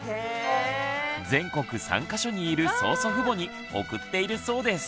全国３か所にいる曽祖父母に送っているそうです。